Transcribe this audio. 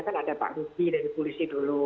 kan ada pak ruby dari polisi dulu